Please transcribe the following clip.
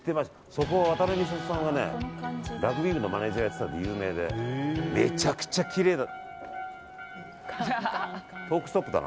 そこは渡辺美里さんがラグビー部のマネジャーをやっていたのが有名でめちゃくちゃきれいだった。